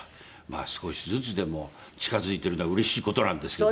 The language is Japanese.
少しずつでも近付いているのはうれしい事なんですけどね。